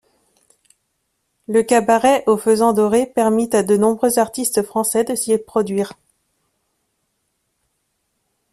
Le cabaret Au Faisan Doré permit à de nombreux artistes français de s'y produire.